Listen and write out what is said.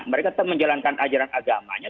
mereka menjalankan ajaran agamanya